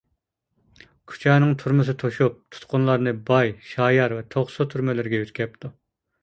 كۇچانىڭ تۈرمىسى توشۇپ تۇتقۇنلارنى باي، شايار ۋە توقسۇ تۈرمىلىرىگە يۆتكەپتۇ.